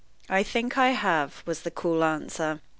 "I think I have," was the cool answer.